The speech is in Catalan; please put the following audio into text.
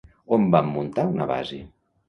On van muntar una base?